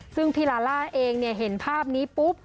ซึ่งพี่ลาล่าเองเห็นภาพนี้ปุ๊บ